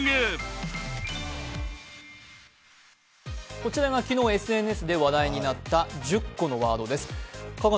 こちらが昨日ＳＮＳで話題になった１０個のワードです。